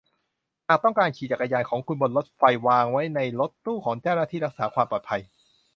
หากต้องการขี่จักรยานของคุณบนรถไฟวางไว้ในรถตู้ของเจ้าหน้าที่รักษาความปลอดภัย